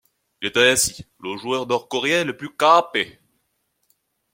Il est ainsi le joueur nord-coréen le plus capé.